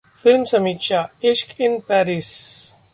film समीक्षा: Ishq in Paris